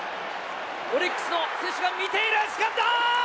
オリックスの選手が見ている、つかんだ！